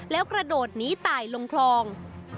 แล้วกระโดดหนีตายลงคลอง